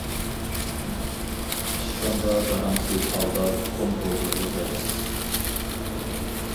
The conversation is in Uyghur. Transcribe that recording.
ئىشقىڭغا داۋراڭسىز ھالدا تۇتقۇن بولغىلى كەلدىم.